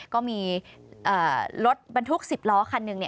ก็มีรถบรรทุก๑๐ล้อคันหนึ่ง